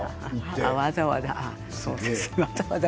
わざわざ。